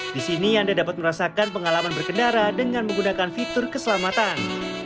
di sini anda dapat merasakan pengalaman berkendara dengan menggunakan fitur keselamatan